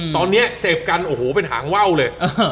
ตอนนี้เจ็บกันโอ้โหเป็นหางว่าวเลย